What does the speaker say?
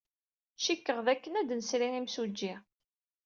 Cikkeɣ dakken ad nesri imsujji.